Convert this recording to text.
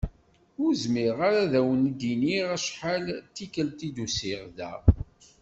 Ur zmireɣ ara ad wen-d-iniɣ acḥal d tikelt i d-usiɣ da.